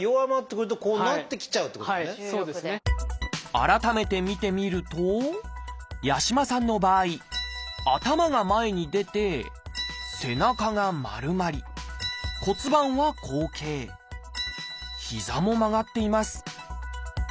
改めて見てみると八嶋さんの場合頭が前に出て背中が丸まり骨盤は後傾膝も曲がっています